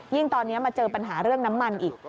ตอนนี้มาเจอปัญหาเรื่องน้ำมันอีก